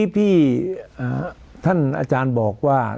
พี่ท่านอาจารย์บอกว่า